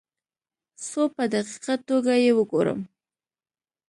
څو په دقیقه توګه یې وګورم.